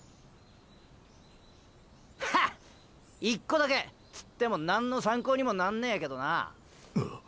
１コだけつっても何の参考にもなんねェけどな。